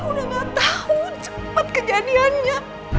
akhirnya kecelakaan nino aku udah gak tau cepat kejadiannya